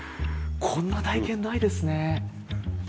こんな体験ないですね。